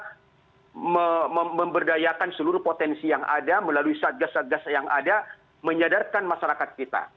pemerintah memberdayakan seluruh potensi yang ada melalui syarikat syarikat yang ada menyadarkan masyarakat kita